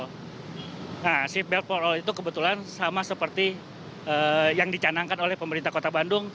nah seat belt for all itu kebetulan sama seperti yang dicanangkan oleh pemerintah kota bandung